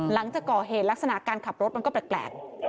หลังจากก่อเหตุลักษณะการขับรถมันก็แปลก